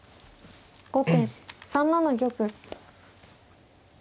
後手３七玉。